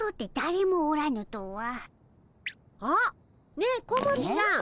ねえ小町ちゃん。